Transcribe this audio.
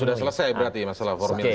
sudah selesai berarti masalah formil